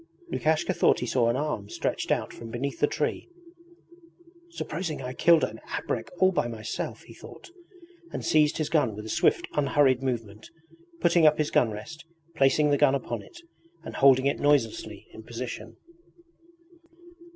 Lukashka thought he saw an arm stretched out from beneath the tree. 'Supposing I killed an abrek all by myself!' he thought, and seized his gun with a swift, unhurried movement, putting up his gun rest, placing the gun upon it, and holding it noiselessly in position.